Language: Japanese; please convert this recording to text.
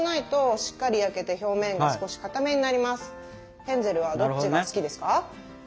ヘンゼルはどっちが好きですか？